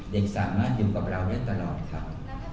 เด็กสามารถอยู่กับเราได้ตลอดครับ